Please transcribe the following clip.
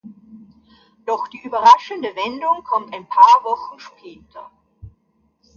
Doch die überraschende Wendung kommt ein paar Wochen später.